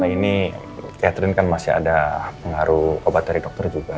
ini catherine kan masih ada pengaruh obat dari dokter juga